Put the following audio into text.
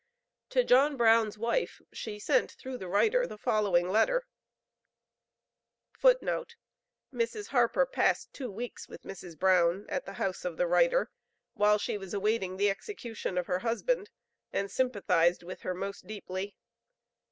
To John Brown's wife[A] she sent through the writer the following letter: [Footnote A: Mrs. Harper passed two weeks with Mrs. Brown at the house of the writer while she was awaiting the execution of her husband, and sympathized with her most deeply.